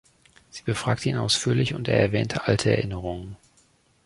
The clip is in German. Sie befragte ihn ausführlich und er erwähnte alte Erinnerungen.